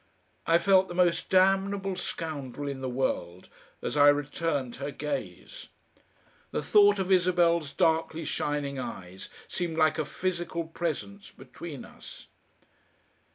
I felt the most damnable scoundrel in the world as I returned her gaze. The thought of Isabel's darkly shining eyes seemed like a physical presence between us....